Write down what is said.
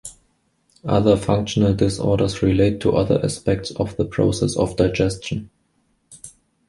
Other "functional" disorders relate to other aspects of the process of digestion.